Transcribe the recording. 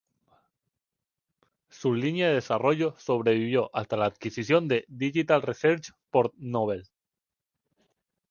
Su línea de desarrollo sobrevivió hasta la adquisición de Digital Research por Novell.